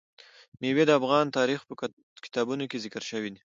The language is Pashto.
مېوې د افغان تاریخ په کتابونو کې ذکر شوی دي.